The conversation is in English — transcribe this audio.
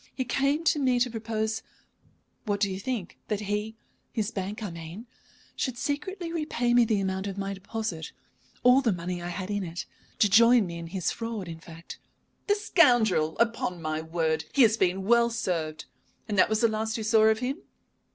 He came to me to propose what do you think? that he his bank, I mean should secretly repay me the amount of my deposit, all the money I had in it. To join me in his fraud, in fact " "The scoundrel! Upon my word, he has been well served. And that was the last you saw of him?"